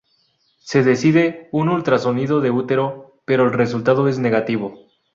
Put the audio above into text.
Se decide un ultrasonido de útero, pero el resultado es negativo.